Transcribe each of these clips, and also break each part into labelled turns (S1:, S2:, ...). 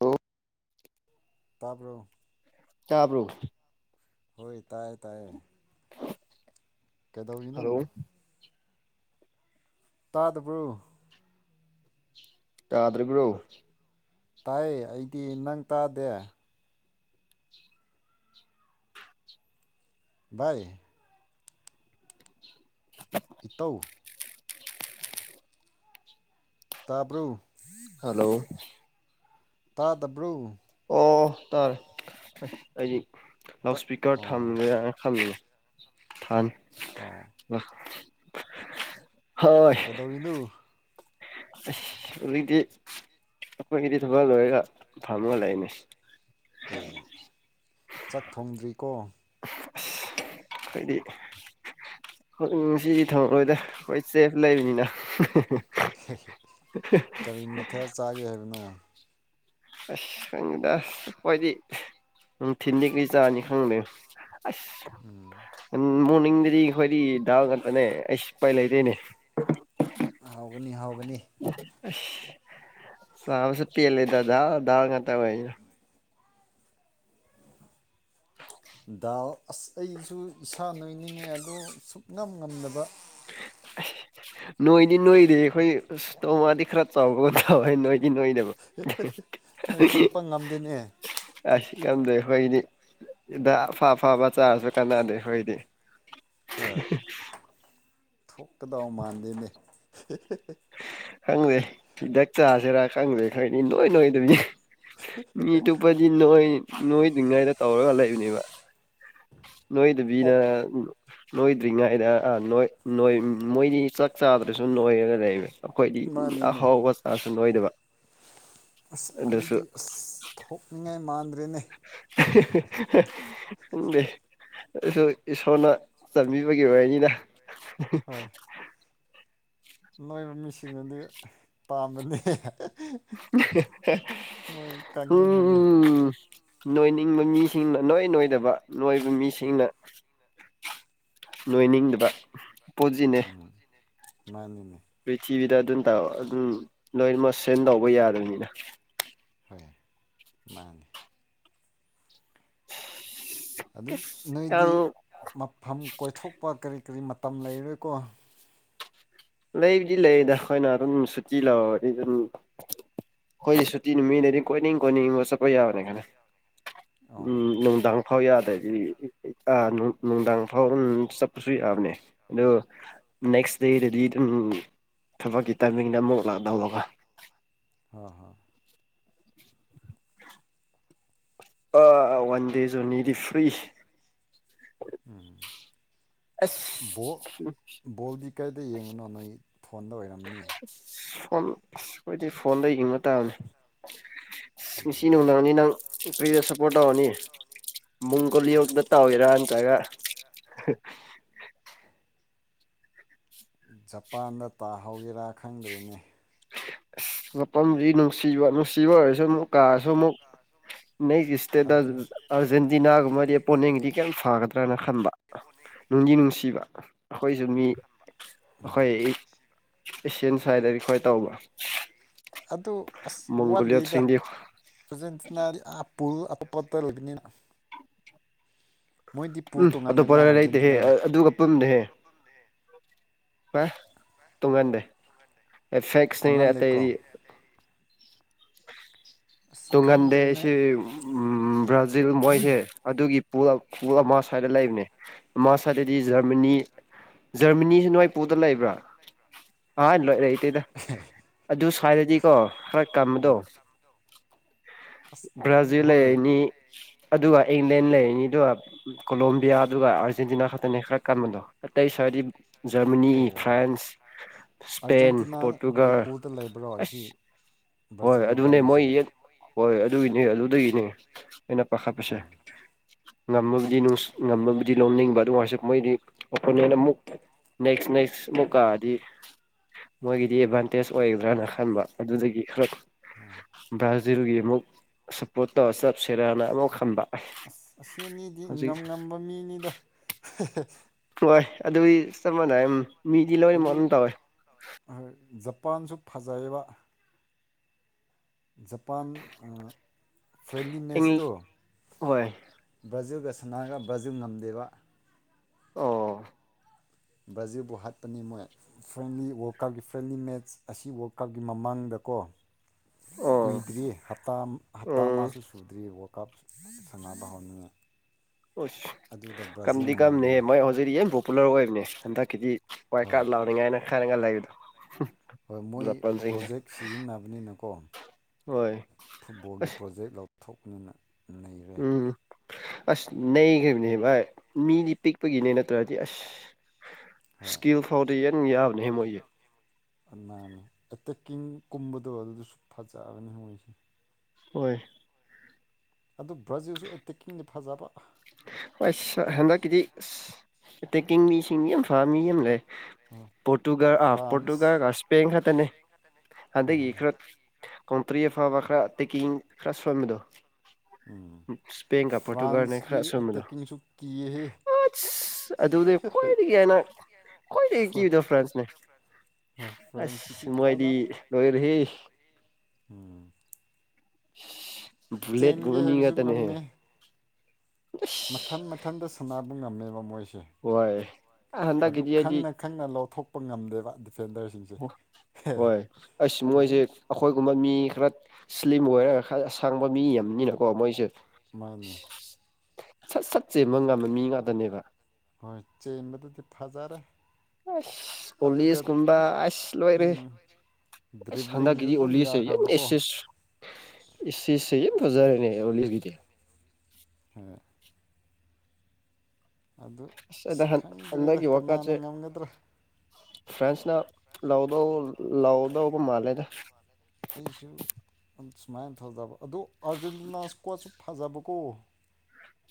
S1: hello
S2: ꯇꯥꯕ꯭ꯔꯣ
S1: ꯇꯥꯕ꯭ꯔꯣ
S2: ꯍꯣꯏ ꯇꯥꯌꯦ ꯇꯥꯌꯦ ꯀꯩꯗꯧꯔꯤꯅꯧ
S1: ꯍꯜꯂꯣ
S2: ꯇꯥꯗꯕ꯭ꯔꯣ
S1: ꯇꯥꯗꯦꯕꯔꯣ
S2: ꯇꯥꯏꯌꯦ ꯑꯩꯗꯤ ꯅꯪ ꯇꯥꯗꯦ ꯚꯥꯏ ꯏꯠꯇꯧ ꯇꯥꯕ꯭ꯔꯣ
S1: ꯍꯜꯂꯣ
S2: ꯇꯥꯗꯕ꯭ꯔꯣ
S1: ꯑꯣ ꯇꯥꯔꯦ ꯑꯩꯗꯤ
S2: ꯇꯥ
S1: ꯂꯥꯎꯠ ꯏꯁꯄꯤꯀꯔ
S2: ꯑꯣ
S1: ꯊꯝꯒꯦ ꯌꯥꯔ ꯊꯝꯃꯤꯅꯤ ꯊꯥꯟ
S2: ꯑꯣ
S1: ꯍꯣꯏ
S2: ꯀꯩꯗꯧꯔꯤꯅꯣ
S1: ꯍꯧꯖꯤꯛꯇꯤ ꯑꯩꯈꯣꯏꯒꯤꯗꯤ ꯊꯕꯛ ꯂꯣꯏꯔꯒ ꯐꯝꯃꯒ ꯂꯩꯅꯦ
S2: ꯑꯦ ꯆꯥꯛ ꯊꯣꯡꯗ꯭ꯔꯤꯀꯣ
S1: ꯑꯁ ꯍꯥꯏꯗꯤ ꯉꯁꯤꯗꯤ ꯊꯛꯂꯣꯏꯗ ꯑꯩꯈꯣꯏ ꯆꯦꯞ ꯂꯩꯕꯅꯤꯅ
S2: ꯀꯔꯤ ꯃꯊꯦꯜ ꯆꯥꯒꯦ ꯍꯥꯏꯕꯅꯣ
S1: ꯑꯁ ꯈꯪꯗꯦꯗ ꯑꯩꯈꯣꯏꯗꯤ ꯅꯨꯡꯊꯤꯜ ꯗꯤ ꯀꯔꯤ ꯆꯥꯅꯤ ꯈꯪꯗꯦ ꯑꯁ ꯃꯣꯔꯅꯤꯡꯗꯗꯤ ꯑꯩꯈꯣꯏꯗꯤ ꯗꯥꯜ ꯉꯥꯛꯇꯅꯦ ꯑꯩꯁ ꯁꯄꯥꯏ ꯂꯩꯔꯦꯅꯦ
S2: ꯍꯥꯎꯒꯅꯤ ꯍꯥꯎꯒꯅꯤ
S1: ꯑꯁ ꯆꯥꯕꯁꯨ ꯄꯦꯟꯂꯦꯗ ꯗꯥꯜ ꯗꯥꯜ ꯉꯥꯛꯇ ꯑꯣꯏꯕꯅ
S2: ꯗꯥꯜ ꯑꯁ ꯑꯩꯁꯨ ꯏꯁꯥ ꯅꯣꯏꯅꯤꯡꯉꯦ ꯑꯗꯣ ꯁꯨꯞꯉꯝ ꯉꯝꯗꯕ
S1: ꯅꯣꯏꯗꯤ ꯅꯣꯏꯗꯦ ꯑꯩꯈꯣꯏ ꯑꯁ ꯇꯣꯃꯥꯗꯤ ꯈꯔ ꯆꯥꯎꯕꯒ ꯇꯧꯏ ꯀ ꯅꯣꯏꯅꯕ
S2: ꯅꯣꯏꯊꯣꯛꯄ ꯉꯝꯗꯦꯅꯦ
S1: ꯑꯁ ꯉꯝꯗꯦ ꯑꯩꯈꯣꯏꯒꯤꯗꯤ ꯑꯐꯥ ꯑꯐꯕꯥ ꯆꯥꯔꯁꯨ ꯀꯥꯟꯅꯗꯦ ꯑꯩꯈꯣꯏꯗꯤ [inaudible]
S2: ꯊꯣꯛꯀꯥꯗꯧ ꯃꯥꯥꯟꯗꯦꯅꯦ
S1: ꯈꯪꯗꯦ ꯍꯤꯗꯥꯛ ꯆꯥꯁꯤꯔꯥ ꯈꯪꯗꯦ ꯈꯅꯤ ꯏꯅꯣꯏ ꯅꯣꯏꯗꯕꯤ ꯃꯤ ꯇꯣꯞꯄꯗꯤ ꯅꯣꯏ ꯅꯣꯏꯗ꯭ ꯉꯥꯏꯔꯦ ꯇꯧꯔꯒ ꯂꯩꯕꯅꯦꯕ ꯅꯣꯏꯗꯕꯤꯅ
S2: ꯑꯣꯛ
S1: ꯅꯣꯏꯗ꯭ꯔꯤꯉꯩꯗ ꯅꯣꯏ ꯃꯣꯏꯗꯤ ꯆꯥꯛ ꯆꯥꯗ꯭ꯔꯁꯨ ꯅꯣꯏꯔꯒ ꯂꯩꯕ ꯑꯩꯈꯣꯏꯗꯤ
S2: ꯃꯥꯅꯤꯅꯦ
S1: ꯑꯍꯥꯎꯕ ꯆꯥꯁꯨ ꯅꯣꯏꯗꯕ
S2: ꯑꯁ
S1: ꯑꯗꯨꯁꯨ
S2: ꯑꯩꯈꯣꯏꯗꯤ ꯑꯁ ꯊꯣꯛꯅꯤꯡꯉꯥꯏ ꯃꯥꯟꯗ꯭ꯔꯦꯅꯦ
S1: ꯈꯡꯗꯦ ꯑꯩꯁꯨ ꯏꯁꯣꯔꯅ ꯆꯥꯟꯕꯤꯕꯒꯤ ꯑꯣꯏꯅꯤꯗ [inaudible]
S2: ꯍꯣꯏ ꯅꯣꯏꯕ ꯃꯤꯁꯤꯡꯅꯗꯤ ꯄꯥꯝꯕꯗꯤ ꯀꯪꯅꯤꯡꯕꯅꯤ
S1: ꯎꯝ ꯅꯣꯏꯅꯤꯡꯕ ꯃꯤꯁꯤꯡꯅ ꯁꯨꯡꯅꯣꯏ ꯅꯣꯏꯗꯕ ꯅꯣꯏꯕ ꯃꯤꯁꯤꯡꯅ ꯅꯣꯏꯅꯤꯡꯗꯕ ꯄꯣꯠꯁꯤꯅꯦ
S2: ꯃꯥꯅꯤ
S1: ꯄ꯭ꯔꯤꯊꯤꯕꯤꯗ ꯑꯗꯨꯝ ꯇ ꯑꯗꯨꯝ ꯂꯣꯏꯅꯃꯛ ꯁꯦꯟ ꯇꯧꯕ ꯌꯥꯗꯕꯅꯤꯅ
S2: ꯍꯣꯏ ꯃꯥꯅꯦ ꯑꯗꯨ ꯅꯣꯏꯗꯤ
S1: ꯌꯥꯝ
S2: ꯃꯐꯝ ꯀꯣꯏꯊꯣꯛꯄ ꯀꯔꯤ ꯀꯔꯤ ꯃꯇꯝ ꯂꯩꯔꯣꯏꯀꯣ
S1: ꯂꯩꯕꯨꯗꯤ ꯂꯩꯗ ꯑꯩꯈꯣꯏꯅ ꯑꯗꯨꯝ ꯁꯨꯇꯤ ꯂꯧꯔꯗꯤ ꯑꯗꯨꯝ ꯍꯣꯏ ꯁꯨꯇꯤ ꯅꯨꯃꯤꯠ ꯂꯩꯗꯤ ꯀꯣꯏꯅꯤꯡ ꯀꯣꯏꯅꯤꯡꯕ ꯆꯠꯄ ꯌꯥꯕꯅꯤ ꯈꯔ
S2: ꯑꯧ
S1: ꯎꯝ ꯅꯨꯡꯗꯥꯡ ꯐꯥꯎ ꯌꯥꯗ꯭ꯕꯤ ꯑꯥ ꯅꯨꯡꯗꯥꯡ ꯐꯥꯎꯔꯝ ꯆꯠꯄꯁꯨ ꯌꯥꯕꯅꯦ ꯑꯗꯨ ꯅꯦꯛꯁ ꯗꯦꯗꯗꯤ ꯎꯝ ꯊꯕꯛꯀꯤ ꯇꯥꯏꯃꯤꯡꯗ ꯑꯃꯨꯛ ꯂꯥꯛꯍꯧꯔꯒ
S2: ꯑ ꯍꯥ
S1: [inaudible] ꯑ ꯋꯥꯟ ꯗꯦꯁꯅꯤꯗꯤ ꯐ꯭ꯔꯔꯤ
S2: ꯎꯝ
S1: ꯑꯁ
S2: ꯕꯣꯜꯗꯤ ꯀꯥꯏꯗ ꯌꯦꯡꯕꯅꯣ ꯅꯣꯏ ꯐꯣꯟꯗ ꯑꯣꯏꯔꯝꯅꯤ
S1: ꯐꯣꯟ ꯑꯁ ꯑꯩꯈꯣꯏꯗꯤ ꯐꯣꯟꯗ ꯌꯦꯡꯕ ꯇꯥꯕꯅꯤ ꯑꯁ ꯉꯁꯤ
S2: ꯎꯝ
S1: ꯅꯨꯝꯗꯥꯡꯗꯤ ꯅꯪ ꯀꯔꯤꯗ ꯁꯄꯣꯔꯇ ꯇꯧꯔꯅꯤ ꯃꯣꯡꯒꯣꯂꯤ ꯔꯣꯝꯗ ꯇꯧꯔꯤꯔ ꯅꯠꯇ꯭ꯔꯒ
S2: ꯖꯄꯥꯟꯗ ꯇꯥꯍꯧꯒꯦꯔꯥ ꯈꯪꯗ꯭ꯔꯤꯅꯦ
S1: ꯑꯁ ꯃꯐꯝꯁꯤ ꯅꯨꯡꯁꯤꯕ ꯅꯨꯡꯁꯤꯕ ꯑꯣꯏꯔꯁꯨ ꯑꯃꯨꯛ ꯀꯥꯔꯁꯨ ꯑꯃꯨꯛ ꯅꯪꯒꯤ ꯏꯁꯇꯦꯇꯁ
S2: ꯑꯗꯨ
S1: ꯑꯥꯔꯖꯦꯟꯇꯤꯅꯥꯒꯨꯝꯕꯗꯤ ꯄꯣꯅꯤꯡꯒꯤꯗꯤ ꯈꯤꯇꯪ ꯐꯒꯗ꯭ꯔꯅ ꯈꯟꯕ ꯅꯨꯡꯗꯤ ꯅꯨꯡꯁꯤꯕ ꯑꯩꯈꯣꯏꯁꯨ ꯃꯤ ꯑꯩꯈꯣꯏ ꯑꯦꯁꯤꯌꯥꯟ ꯁꯥꯏꯠꯇꯗꯤ ꯑꯩꯈꯣꯏ ꯇꯧꯕ
S2: ꯑꯗꯨ ꯑꯁ ꯋꯥꯠꯂꯤꯗ
S1: ꯃꯣꯡꯒꯣꯂꯤꯌꯠꯁꯤꯡꯗꯤ
S2: ꯑꯖꯦꯟꯇꯤꯅꯥꯗꯤ ꯑꯥꯞ ꯄꯨꯜ ꯑꯇꯣꯞꯄꯇ ꯂꯩꯕꯅꯤꯅ ꯃꯣꯏꯗꯤ ꯄꯨꯜ
S1: ꯎꯝ
S2: ꯇꯣꯡꯉꯥꯜꯂꯦꯅ
S1: ꯑꯇꯣꯞꯄꯔꯒ ꯂꯩꯇꯦꯍꯦ
S2: ꯑꯥꯔꯖꯦꯟꯇꯤꯅꯥꯗꯤ
S1: ꯑꯗꯨꯒ ꯀꯄꯗꯍꯦ ꯇꯨꯡꯍꯟꯗꯦ ꯑꯦꯐꯦꯛꯁꯅꯤꯅ
S2: ꯇꯣꯡꯉꯥꯜꯂꯦꯀꯣ
S1: ꯑꯇꯩꯗꯤ
S2: ꯑꯁ ꯈꯪꯗ꯭ꯔꯦꯅꯦ
S1: ꯇꯨꯡꯥꯟꯗꯦꯁ ꯎ꯭ꯔꯖꯤ ꯜ ꯃꯣꯏꯁꯦ ꯑꯗꯨꯒꯤꯜ ꯑꯃ ꯁ꯭ꯋꯥꯏꯗ ꯂꯩꯕꯅꯦ ꯑꯃ ꯁ꯭ꯋꯥꯏꯗꯗꯤ ꯖꯔꯃꯅꯤ ꯖꯔꯃꯅꯤꯁꯤ ꯅꯏꯄꯨꯗ ꯂꯩꯕ꯭ꯔꯥ ꯑ ꯂꯣꯏꯔ ꯏꯇꯩꯗ ꯑꯗꯨ ꯁ꯭ꯋꯥꯏꯔꯗꯤꯀꯣ ꯈꯔ ꯀꯝꯕꯗꯣ
S2: ꯎꯝ ꯑꯁ ꯈꯪ ꯍꯣꯏ
S1: ꯕ꯭ꯔꯥꯖꯤꯂꯅꯤ ꯑꯗꯨꯒ ꯏꯪꯂꯦꯟ ꯂꯩꯔꯤꯅꯤ ꯑꯗꯨꯒ ꯀꯣꯂꯣꯝꯕꯤꯌꯥ ꯑꯗꯨꯒ ꯑꯥꯔꯖꯦꯟꯇꯤꯅꯥ ꯈꯛꯇꯅꯤ ꯈꯔ ꯀꯥꯟꯕꯗꯣ ꯑꯇꯩ ꯁꯋꯥꯏꯗꯤ ꯖꯔꯃꯅꯤ
S2: ꯑꯣ
S1: ꯐ꯭ꯔꯥꯟꯁ ꯏꯁꯄꯦꯟ
S2: ꯑꯥꯔꯖꯦꯟꯇꯤꯅꯥꯒꯤ
S1: ꯄꯣꯔꯇꯨꯒꯜ ꯑꯁ ꯍꯣꯏ ꯑꯗꯨꯅꯦ
S2: ꯕꯖꯃꯕꯥꯅꯤꯁꯦ
S1: ꯃꯣꯏ ꯍꯣꯏ ꯑꯗꯨꯒꯤꯅꯦ ꯑꯗꯨꯗꯒꯤꯅꯦ ꯑꯩꯅ ꯄꯥꯈꯠꯄꯁꯦ
S2: ꯑꯣ
S1: ꯉꯝꯃꯕꯨꯗꯤ ꯅꯨꯡ ꯉꯝꯃꯕꯨꯗꯤ ꯂꯧꯣꯟꯅꯤꯡꯕ ꯑꯗꯨꯁꯨ ꯃꯣꯏꯗꯤ ꯑꯣꯄꯣꯅꯦꯟ ꯑꯃꯨꯛ ꯅꯦꯛꯁ ꯅꯦꯛꯁ ꯃꯨꯀꯥꯗꯤ ꯃꯣꯏꯒꯤꯗꯤ ꯑꯦꯗꯚꯥꯟꯇꯦꯖ ꯑꯣꯏꯒꯗ꯭ꯔꯅ ꯈꯟꯕ ꯑꯗꯨꯗꯒꯤ ꯈꯔ ꯕ꯭ꯔꯥꯖꯤꯜꯒꯤ ꯑꯃꯨꯛ ꯁꯞꯄꯣꯔꯠ ꯇꯧꯔ ꯆꯞꯁꯤꯦꯔꯅ ꯑꯃꯨꯛ ꯍꯟꯕ
S2: ꯑꯁ ꯑꯁꯤꯅꯤꯗꯤ ꯉꯝ ꯉꯝꯕ ꯃꯤꯅꯤꯗ
S1: ꯍꯣꯏ ꯑꯗꯨꯗꯤ ꯆꯞ ꯃꯥꯟꯅ ꯃꯤꯗꯤ ꯂꯧꯔꯤ ꯃꯝ ꯇꯧꯋꯦ
S2: ꯃꯄꯥꯟꯁꯨ ꯐꯖꯩꯌꯦꯕ ꯖꯄꯥꯟ ꯐ꯭ꯔꯦꯟꯂꯤ
S1: ꯏꯪ
S2: ꯃꯦꯁꯇꯣ
S1: ꯍꯣꯏ
S2: ꯕ꯭ꯔꯖꯦꯜꯒ ꯁꯥꯟꯅꯔꯒ ꯕ꯭ꯔꯥꯖꯤꯜ ꯉꯝꯗꯦꯕ
S1: ꯑꯣ
S2: ꯕ꯭ꯔꯥꯖꯤꯜꯕꯨ ꯍꯥꯠꯄꯅꯤ ꯃꯣꯏ ꯐ꯭ꯔꯦꯟꯂꯤ ꯋꯥꯔꯜ ꯀꯥꯞꯀꯤ ꯐ꯭ꯔꯦꯟꯂꯤ ꯃꯦꯠꯆ ꯑꯁꯤ ꯋꯥꯔꯜ ꯀꯥꯞꯀꯤ ꯃꯃꯥꯡꯗꯀꯣ
S1: ꯑꯣ
S2: ꯀꯨꯏꯗ꯭ꯔꯤꯇꯥ ꯍꯞꯇꯥ
S1: ꯎꯝ
S2: ꯃꯥꯁꯨ ꯁꯨꯗ꯭ꯔꯤ ꯀꯞ ꯁꯅꯥꯗ ꯍꯥꯎꯅꯤꯡꯉ
S1: ꯑꯁ ꯀꯝꯗꯤ ꯀꯝꯅꯦꯍ
S2: ꯉꯝꯕꯅꯤ
S1: ꯃꯣꯏ ꯍꯧꯖꯤꯛꯤ ꯌꯥꯝ ꯄꯣꯄꯨꯂꯔ ꯑꯣꯏꯕꯅꯦ ꯍꯟꯗꯛꯀꯤꯗꯤ ꯍꯣꯏꯏ ꯀꯥꯠ
S2: ꯍꯣꯏ
S1: ꯂꯥꯎꯅꯤꯡꯉꯥꯏꯅ ꯈꯔꯒ ꯂꯩꯏꯗꯣ
S2: ꯍꯣꯏ ꯃꯣꯏ ꯄ꯭ꯔꯣꯖꯦꯛ ꯁꯤꯖꯤꯟꯅꯕꯅꯤꯅꯀꯣ
S1: ꯍꯣꯏ
S2: ꯐꯨꯠꯕꯣꯜꯒꯤ
S1: ꯑꯁ
S2: ꯄ꯭ꯔꯣꯖꯦꯛ ꯂꯧꯊꯣꯛꯄꯅꯤꯅ ꯅꯩꯔꯦ
S1: ꯎꯝ ꯑꯁ ꯅꯩꯈ꯭ꯔꯤꯕꯅꯦ ꯚꯥꯏ ꯃꯤꯗꯤ ꯄꯤꯛꯄꯒꯤꯅꯦ ꯅꯠꯇ꯭ꯔꯗꯤ ꯑꯁ
S2: ꯍꯣꯏ
S1: ꯁ꯭ꯀꯤꯜ ꯐꯥꯎꯣꯔ ꯗ ꯑꯦꯟ ꯌꯥ ꯍꯦꯃꯣꯏꯌꯦ
S2: ꯅꯥꯅꯦ ꯑꯦꯇꯦꯛꯀꯤꯡ ꯀꯨꯝꯕꯗꯣ ꯑꯗꯨꯗ ꯁ ꯐꯖꯒꯅꯤ ꯃꯣꯏꯁꯦ
S1: ꯍꯣꯏ
S2: ꯑꯗꯨ ꯕ꯭ꯔꯥꯖꯤꯜꯁꯨ ꯑꯦꯇꯦꯛꯀꯤꯡꯗꯤ ꯐꯖꯕ
S1: ꯑꯁ ꯍꯦꯟꯗ ꯀꯗꯤ ꯑꯁ ꯑ ꯇꯦꯛꯀꯤꯡ ꯃꯤ ꯁꯤꯡ ꯌꯥꯝ ꯐꯥ ꯃꯤ ꯑꯃ ꯂꯩ ꯄꯣꯔꯇꯨꯒꯜ ꯑ
S2: ꯐ꯭ꯔꯥꯟꯁ
S1: ꯄꯣꯇꯨꯒꯜ ꯏꯁꯄꯟ ꯈꯇꯅꯦ ꯍꯟꯗꯛꯀꯤ
S2: ꯈꯛꯇꯅꯦ
S1: ꯈꯔ ꯀꯥꯎꯇ꯭ꯔꯤ ꯑꯐꯕ ꯈꯔ ꯇꯦꯛꯀꯤꯡ ꯈꯔ ꯁꯣꯟꯃꯤꯗꯣ ꯏꯁꯄꯦꯟꯒ ꯄꯣꯔꯇꯨꯒꯜꯅꯦ
S2: ꯐ꯭ꯔꯥꯟꯁꯀꯤ
S1: ꯈꯔ ꯑꯁꯣꯕꯗꯣ
S2: ꯑꯦꯇꯦꯛꯀꯤꯡꯁꯨ ꯀꯤꯌꯦꯍꯦ
S1: ꯁ ꯑꯗꯨꯅꯦ ꯈ꯭ꯋꯥꯏꯗꯒꯤ ꯍꯥꯏꯅ ꯈ꯭ꯋꯥꯏꯗꯒꯤ ꯀꯤꯕꯗꯣ ꯐ꯭ꯔꯥꯟꯁꯅꯦ
S2: ꯍꯣꯏ ꯐ꯭ꯔꯥꯟꯁꯀꯤꯗꯤ
S1: ꯑꯁ ꯃꯣꯏꯗꯤ ꯂꯣꯏꯔ ꯍꯦ
S2: ꯎꯝ
S1: ꯕꯨꯂꯦꯠꯒꯨꯝꯕ ꯃꯤ
S2: ꯍꯥꯏꯕꯁꯨ
S1: ꯉꯥꯛꯇꯅꯦꯍꯦ
S2: ꯉꯝꯃꯦ ꯃꯊꯟ
S1: ꯑꯁ
S2: ꯃꯊꯟꯇ ꯁꯨꯅꯕ ꯉꯝꯃꯦꯕ ꯃꯣꯏꯁꯤ ꯁꯦ
S1: ꯍꯣꯏ
S2: ꯑꯗꯨ
S1: ꯍꯟꯗꯛꯀꯤꯗꯤ ꯑꯩꯗꯤ
S2: ꯈꯪꯅ ꯈꯪꯅ ꯂꯧꯊꯣꯛꯄ ꯉꯝꯗꯦꯕ ꯗꯤꯐꯦꯟꯗꯔꯁꯤꯡꯁꯦ
S1: ꯍꯣꯏ ꯑꯁ ꯃꯣꯏꯁꯦ
S2: ꯑꯗꯨꯝ
S1: ꯑꯩꯈꯣꯏꯒꯨꯝꯕ ꯃꯤ ꯈꯔ ꯃꯨꯁꯂꯤꯝ ꯑꯣꯏꯔꯒ ꯈꯔ ꯑꯁꯥꯡꯕ ꯃꯤ ꯑꯃꯅꯤꯅꯀꯣ ꯃꯣꯏꯁꯦ
S2: ꯃꯥꯅꯤ
S1: ꯁꯠ ꯁꯠꯁꯦ ꯃꯪ ꯉꯕ ꯃꯤ ꯉꯥꯛꯇꯅꯦꯕ
S2: ꯍꯣꯏ ꯆꯦꯟꯕꯗꯨꯗꯤ ꯐꯖꯔꯦ
S1: ꯑꯁ
S2: ꯑꯗꯨꯒ
S1: ꯄꯂꯤꯁ ꯀꯨꯝꯕ
S2: ꯑꯝ
S1: ꯑꯁ ꯂꯣꯏꯔꯦ
S2: ꯎꯝ
S1: ꯑꯦ ꯁꯥꯟꯗꯥꯒ
S2: ꯗ꯭ꯔꯤꯕ꯭ꯂꯤꯡꯁꯨ ꯑꯗꯨꯝ
S1: ꯑꯣꯜꯂꯤꯁꯦ
S2: ꯌꯥꯈ꯭ꯔꯕꯀꯣ
S1: ꯑꯦ ꯏꯁꯦ ꯍꯖꯔꯦꯅꯦ ꯑꯂꯤꯕꯤꯗꯦ
S2: ꯍꯣꯏ ꯑꯗꯨ ꯑꯁ ꯈꯪꯗ꯭ꯔꯦꯗ ꯀꯅꯥꯅ ꯉꯝꯒꯗ꯭ꯔꯥ
S1: ꯐ꯭ꯔꯦꯟꯁꯅ ꯂꯥꯎꯗꯣ ꯂꯥꯎꯗꯣꯕꯨ ꯃꯥꯂꯦꯗ
S2: ꯑꯩꯁꯨ ꯁꯨꯃꯥꯏꯅ ꯊꯥꯖꯕ ꯑꯗ ꯑꯥꯔꯖꯦꯟꯇꯤꯅꯥꯁꯨ ꯀꯣꯁꯨ ꯊꯥꯖꯕꯀꯣ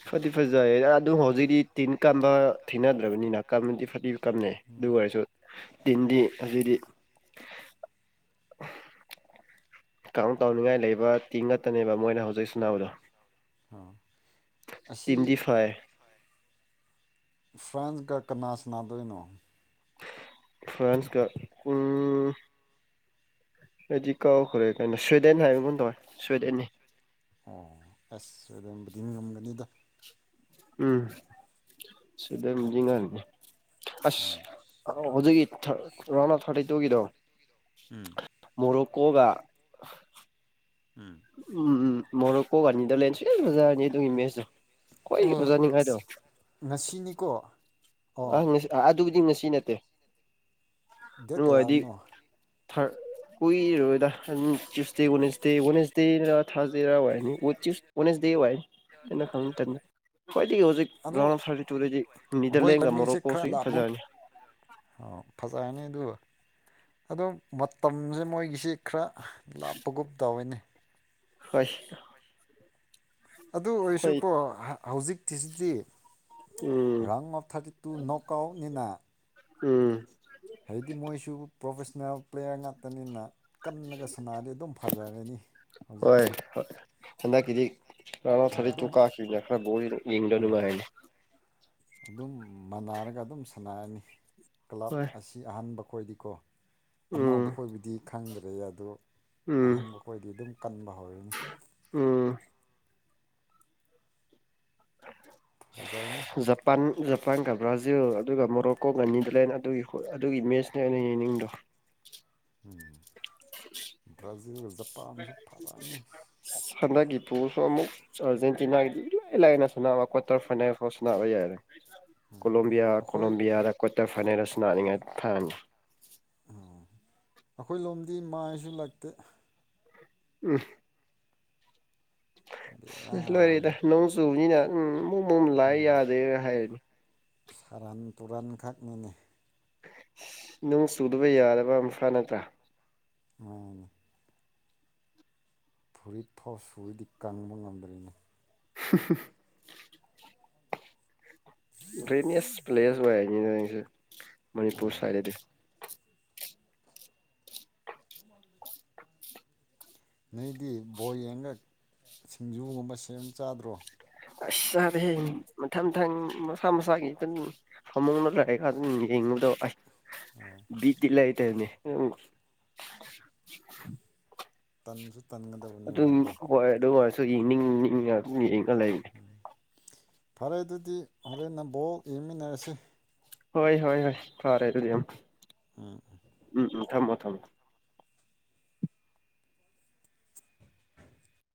S1: ꯐꯗꯤ ꯐꯖꯩꯌꯦ ꯑꯗꯨꯝ ꯍꯧꯖꯤꯛꯇꯤ ꯇꯤꯟ ꯀꯝꯕ ꯊꯦꯡꯅꯗ꯭ꯔꯕꯅꯤꯅ ꯀꯝꯕꯗꯤ ꯐꯗꯤ ꯀꯞꯅꯩ ꯑꯗꯨ ꯑꯣꯏꯔꯁꯨ ꯇꯤꯟꯗꯤ ꯑꯁꯤꯗꯤ [inaudible] ꯀꯥꯡꯥꯎ ꯀꯥꯎꯅꯤꯡꯉꯥꯏ ꯂꯩꯕ ꯇꯤ ꯉꯛꯇꯅꯦꯕ ꯃꯣꯏꯅ ꯍꯧꯖꯤꯛ ꯁꯅꯥꯎꯗꯣ
S2: ꯑꯁꯤ
S1: ꯇꯤꯟꯇ ꯐꯥꯏ
S2: ꯐ꯭ꯔꯥꯟꯁꯒ ꯀꯅꯥ ꯁꯅꯗꯅꯣ
S1: ꯐ꯭ꯔꯥꯟꯁ ꯀ ꯎ ꯑꯩꯗꯤ ꯀꯧꯈ꯭ꯔꯦ ꯀꯩꯅꯣ ꯁ꯭ꯋꯤꯗꯦꯟ ꯍꯥꯏꯕꯒ ꯇꯧꯋꯦ ꯁ꯭ꯋꯤꯗꯦꯟꯅꯤ
S2: ꯑꯣ ꯑꯁ ꯑꯗꯨꯣꯕꯨꯗꯤ ꯉꯝꯒꯅꯤꯗ
S1: ꯎꯝ ꯁꯤꯗꯒ ꯑꯁ ꯍꯧꯖꯤꯛꯀꯤ ꯔꯥꯎꯟ ꯑꯐ ꯊꯥꯔꯇꯤ ꯇꯨꯒꯤꯗꯣ
S2: ꯎꯝ
S1: ꯀꯒ
S2: ꯎꯝ
S1: ꯎꯝ ꯃꯣꯔꯣꯛ ꯀꯣꯛꯒꯅꯤꯗꯂꯦꯟ ꯁꯖꯥꯔꯅꯤ ꯑꯗꯨꯒꯤ ꯃꯦꯁꯁꯨ ꯑꯩꯣꯏ ꯐꯖꯅꯤꯡꯉꯥꯏꯗꯣ
S2: ꯀꯨ
S1: ꯑꯁꯤ ꯑꯗꯨꯒꯤꯗꯤ ꯉꯁꯤ ꯅꯠꯇꯦ
S2: ꯗꯦꯠ
S1: ꯑꯗꯨ ꯑꯣꯏꯔꯗꯤ
S2: ꯀꯌꯥꯔꯅꯣ
S1: ꯊꯔ ꯎꯏꯔ ꯇ꯭ꯨꯁꯗꯦ ꯋꯦꯟꯁꯗꯦ ꯋꯥꯋꯦꯟꯁꯗꯦ ꯊꯥꯔꯁꯗꯦ ꯔ ꯑꯣ ꯑꯣꯅꯦꯁ ꯗꯦꯌ ꯍꯥꯏꯅ ꯈꯥꯎ ꯇꯅ ꯀꯋꯥꯗꯒꯤ ꯍꯧ
S2: ꯑꯗꯣ
S1: ꯎꯆꯖꯤꯛꯥꯎ ꯐ ꯇꯨꯔ ꯗ
S2: ꯃꯣꯏ
S1: ꯂꯒ
S2: ꯂꯝꯃꯤꯡꯁꯦ
S1: ꯃꯔꯣꯀꯣ
S2: ꯈꯔ
S1: ꯁꯤ
S2: ꯂꯥꯞꯒꯨꯝ
S1: ꯊꯖꯅꯤ
S2: ꯐꯖꯔꯅꯤ ꯑꯗꯨꯒ ꯑꯗꯨꯣ ꯃꯇꯝꯁꯦ ꯃꯣꯏꯒꯤꯁꯤ ꯈꯔ ꯂꯥꯞꯄꯒꯨꯞ ꯇꯧꯏꯅꯦ
S1: ꯍꯣꯏꯁ
S2: ꯑꯗꯨ ꯑꯣꯏꯔꯁꯨꯀꯣ ꯍꯧꯖꯤꯛꯇꯤꯁꯤꯗꯤ
S1: ꯎꯝ
S2: ꯔꯪ ꯑꯣꯐ ꯊꯥꯔꯇꯤ ꯇꯨ ꯅꯣ ꯀꯥꯎꯅꯤꯅꯥ
S1: ꯎꯝ
S2: ꯍꯥꯏꯕꯗꯤ ꯃꯣꯏꯁꯨ ꯄ꯭ꯔꯣꯐꯦꯁꯟꯅꯜ ꯄ꯭ꯂꯦꯌꯔ ꯉꯥꯛꯇꯅꯤꯅ ꯀꯟꯅꯒ ꯁꯅꯥꯔꯗꯤ ꯑꯗꯨꯝ ꯐꯖꯔꯅꯤ
S1: ꯍꯣꯏ
S2: ꯍꯧꯖꯤꯛꯀꯤꯗꯤ
S1: ꯍꯣꯏ ꯍꯟꯗꯛꯀꯤꯗꯤ ꯔꯥꯎꯟ ꯑꫭꯞ
S2: ꯍꯣꯏ
S1: ꯊꯔꯤꯇꯤ ꯇꯨ
S2: ꯑꯗꯨꯝ
S1: ꯀꯁꯤꯅꯤ ꯍꯥꯏꯅꯤ
S2: ꯑꯗꯨꯝ ꯃꯥꯟꯅꯥꯔꯒ ꯑꯗꯨꯝ ꯁꯥꯟꯅꯔꯅꯤ ꯀ꯭ꯂꯕ
S1: ꯍꯣꯏ
S2: ꯑꯁꯤ ꯑꯍꯥꯟꯕ ꯈꯣꯏꯗꯤꯀꯣ ꯑꯅꯧꯕ
S1: ꯎꯝ
S2: ꯈꯣꯏꯕꯨꯗꯤ ꯈꯪꯗ꯭ꯔꯦ ꯑꯗꯣ
S1: ꯎꯝ
S2: ꯑꯍꯥꯟꯕ ꯈꯣꯏꯗꯤ ꯑꯗꯨꯝ ꯀꯟꯕ ꯍꯧꯔꯕꯅꯤ
S1: ꯎꯝ
S2: ꯐꯖꯔꯅꯤ
S1: ꯖꯄꯥꯟ ꯖꯄꯥꯟ ꯀꯥ ꯕꯔꯥꯖꯤꯜ ꯑꯗꯨꯒ ꯃꯣꯔꯣꯛꯀꯣꯒ ꯅꯤꯌꯗꯔꯂꯦꯟ ꯑꯗꯨꯒꯤ ꯑꯗꯨꯒꯤ ꯃꯦꯠꯁꯅꯦ ꯑꯩꯅ ꯌꯦꯡꯅꯤꯡꯗꯣ
S2: ꯎꯝ ꯕꯔꯥꯖꯤꯜꯒ ꯖꯞ
S1: [unintelligible] ꯍꯟꯗꯛꯀꯤ ꯕꫭꯜꯁꯨ ꯑꯃꯨꯛ ꯑꯥꯔꯖꯦꯟꯇꯤꯅꯥꯒꯤꯗꯤ ꯏꯂꯥꯏ ꯂꯥꯏꯅ ꯁꯥꯅꯕ ꯀ꯭ꯋꯥꯇꯔ ꯐꯥꯏꯅꯦꯜ ꯐꯥꯎ ꯁꯥꯟꯅꯕ ꯌꯥꯏꯔ‌ꯦ ꯀꯣꯂꯣꯕꯤꯌꯥ
S2: ꯑꯩꯈꯣꯏ
S1: ꯀꯣꯂꯣꯝꯕꯤꯌꯥꯗ ꯀ꯭ꯋꯥꯇꯔ ꯐꯥꯏꯅꯦꯜ ꯑꯁꯤ ꯂꯅꯥꯅꯤꯡꯉꯥꯏ ꯊꯥꯡꯃꯤ
S2: ꯑꯣ ꯑꯩꯈꯣꯏ ꯂꯣꯝꯗꯤ ꯃꯥꯏꯁꯨ ꯂꯛꯇꯦ
S1: ꯎꯝ ꯁꯤ ꯂꯣꯏꯔꯗ
S2: ꯕꯦꯔꯥꯅꯤ
S1: ꯅꯣꯡ ꯆꯨꯕꯅꯤꯅ ꯎꯝ ꯎꯝ ꯂꯥꯏ ꯌꯥꯗꯦꯕ ꯍꯥꯏꯔꯅꯤ
S2: ꯁꯔꯥꯟ ꯇꯨꯔꯟꯈꯛꯅꯤꯅꯦ
S1: ꯅꫭꯡ ꯆꯨꯗꯕ ꯌꯥꯗꯕ ꯑꯝꯐꯥ ꯅꯠꯇ꯭ꯔꯥ
S2: ꯃꯅꯦ ꯐꯨꯔꯤꯠ ꯐꯥꯎ ꯁꯨꯨꯔꯗꯤ ꯀꯪꯕ ꯉꯝꯗ꯭ꯔꯤꯅꯤ
S1: [unintelligible] ꯒ꯭ꯔꯦꯃꯤꯁ ꯄ꯭ꯂꯦꯁ ꯑꯣꯏ ꯏꯁꯨ ꯃꯅꯤꯄꯨꯔ ꯁꯥꯏꯗꯗ
S2: ꯎꯝ [unintelligible] ꯅꯣꯏꯗꯤ ꯕꯣꯌꯦꯟꯒ ꯁꯤꯡꯖꯨꯒꯨꯝꯕ ꯁꯦꯝ ꯆꯥꯗ꯭ꯔꯣ
S1: ꯑꯁ ꯆꯥꯗ‌ꯦꯍ‌ꯦ ꯃꯊꯪ ꯃꯊꯪ ꯃꯁꯥ ꯃꯁꯥꯒꯤ ꯑꯗꯨ ꯐꯃꯨꯡꯅ ꯂꯩꯑꯒ ꯑꯗꯨꯝ ꯌꯦꯡꯉ ꯃꯗ ꯑꯁ ꯕꯤꯠꯇꯤ ꯂꯩꯇꯕꯅꯤ
S2: ꯇꯟꯁꯨꯨ
S1: ꯑꯗꯨꯝ ꯍꯣꯏ ꯑꯗꯨ ꯑꯣꯏꯔꯁꯨ ꯌꯦꯡꯅꯤꯡꯅꯤꯡꯉ ꯑꯗꯨꯝ ꯌꯦꯡꯉ ꯂꯩꯕꯅꯤ
S2: ꯐꯔꯦ ꯑꯗꯨꯗꯤ ꯍꯣꯔꯦꯟꯟꯅ ꯕꯣꯜ ꯌꯦꯡꯃꯤꯟꯅꯔꯁꯤ
S1: ꯍꯣꯏ ꯍꯣꯏ ꯍꯣꯏ ꯐꯥꯔꯦ ꯑꯗꯨꯗꯤ ꯌꯥꯝ
S2: ꯎꯝ ꯎꯝ
S1: ꯊꯝꯃ‌ꯦ